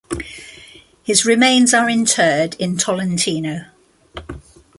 His remains are interred in Tolentino.